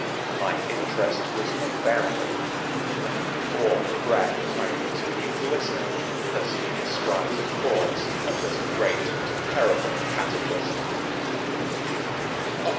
My interest was unbounded, and with awed breath I continued listening as he described the cause of this great and terrible cataclysm.